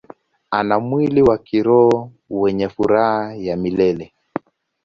Ana mwili wa kiroho wenye furaha ya milele.